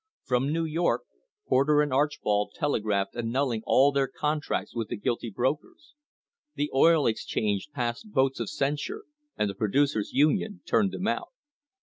From New York, Porter and Archbold telegraphed annulling all their contracts with the guilty brokers. The Oil Exchange passed votes of censure, and the Producers' Union turned them out.